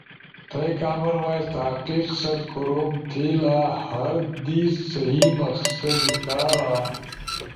تھئی کامن وائس تحقیق ست کوروم تھئی لا ہر دیز صحیح مقصد کارا